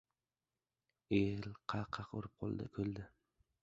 El qah-qah urib kuldi.